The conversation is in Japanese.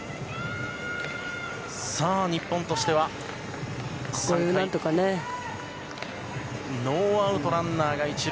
日本としてはノーアウト、ランナーが１塁。